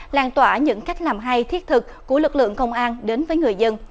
làn tỏa những cách làm hay thiết thực của lực lượng công an đến với người dân